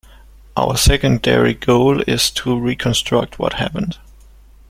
Our secondary goal is to reconstruct what happened.